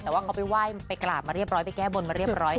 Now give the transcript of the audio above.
แต่ว่าเขาไปไหว้ไปกราบมาเรียบร้อยไปแก้บนมาเรียบร้อย